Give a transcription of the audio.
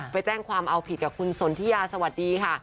ไปแจ้งความเอาผิดกับคุณสนทิยาสวัสดีค่ะ